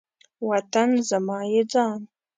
وطن زما یی ځان